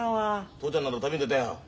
父ちゃんなら旅に出たよ。